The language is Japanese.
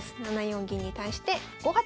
７四銀に対して５八香。